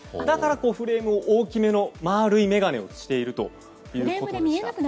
だから、フレームを大きめの丸い眼鏡をしているということでした。